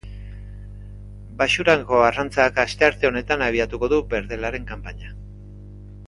Baxurako arrantzak astearte honetan abiatuko du berdelaren kanpaina.